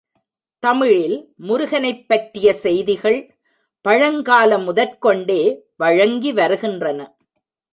தமிழில் முருகனைப் பற்றிய செய்திகள் பழங்கால முதற் கொண்டே வழங்கி வருகின்றன.